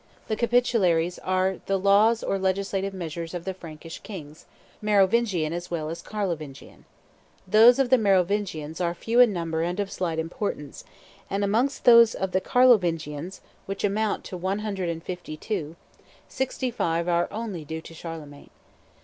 The Capitularies are the laws or legislative measures of the Frankish kings, Merovingian as well as Carlovingian. Those of the Merovingians are few in number and of slight importance, and amongst those of the Carlovingians, which amount to one hundred and fifty two, sixty five only are due to Charlemagne.